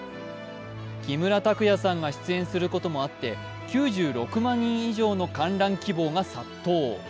木村拓哉さんが出演することもあって、９６万人以上の観覧希望が殺到。